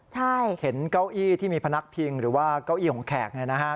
ใช่เห็นเก้าอี้ที่มีพนักพิงหรือว่าเก้าอี้ของแขกเนี่ยนะฮะ